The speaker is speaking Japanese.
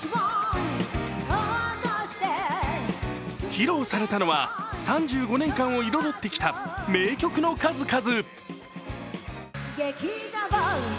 披露されたのは、３５年間を彩ってきた名曲の数々。